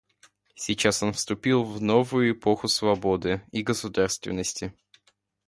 Сейчас он вступил в новую эпоху свободы и государственности.